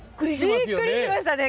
びっくりしましたね。